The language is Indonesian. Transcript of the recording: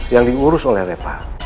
yang diurus oleh repa